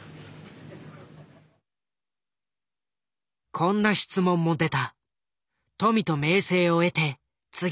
こんな質問も出た。